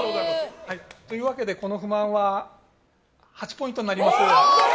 というわけでこの不満は８ポイントになります。